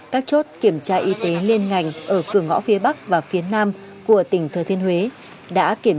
đã kiểm tra y tế lên ngành ở cửa ngõ phía bắc và phía nam của tỉnh thơ thiên huế